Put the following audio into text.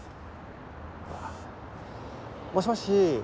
もしもし。